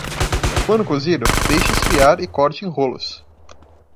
Quando cozido, deixe esfriar e corte em rolos.